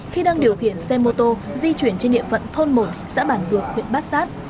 khi đang điều khiển xe mô tô di chuyển trên địa phận thôn một xã bản vược huyện bát sát